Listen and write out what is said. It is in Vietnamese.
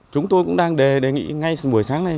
chúng tôi cũng đang đề nghị ngay buổi sáng nay